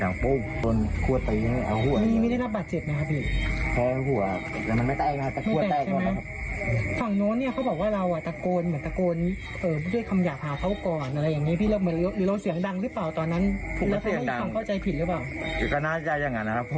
หัวตรงนั้นรู้สึกตัวไงพี่ตอนนั้นผมสิ้นรถไปตรงตามปกติครับก็มีสติทุกอย่างมี